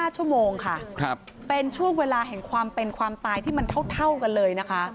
๕ชั่วโมงค่ะเป็นช่วงเวลาแห่งความเป็นความตายที่มันเท่ากันเลยนะคะ